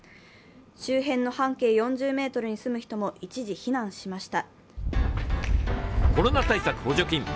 周辺の半径４０ｍに住む人も一時避難しました。